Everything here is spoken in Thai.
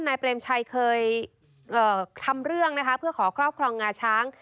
เปรมชัยเคยทำเรื่องนะคะเพื่อขอครอบครองงาช้าง